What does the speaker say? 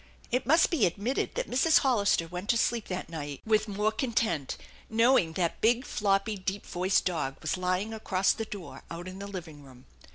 It must be admitted that Mrs. Hollister went to sleep thas night with more content, knowing that big, floppy, deep voiced dog was lying across the door out in the living room.